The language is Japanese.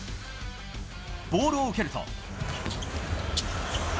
ボールを受けると。